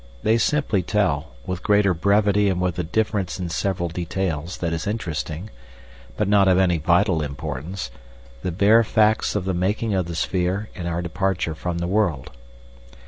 They simply tell, with greater brevity and with a difference in several details that is interesting, but not of any vital importance, the bare facts of the making of the sphere and our departure from the world.